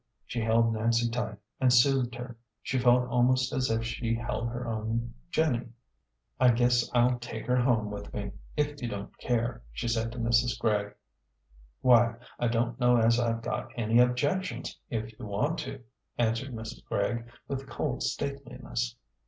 She held Nancy tight, and soothed her. She felt almost A GENTLE GHOST. 251 as if she held her own Jenny. " I guess I'll take her home with me, if you don't care," she said to Mrs, Gregg. "Why, I don't know as I've got any objections, if you want to," answered Mrs. Gregg, with cold stateliness.